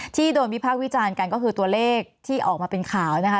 ที่โดนวิพากษ์วิจารณ์กันก็คือตัวเลขที่ออกมาเป็นข่าวนะคะ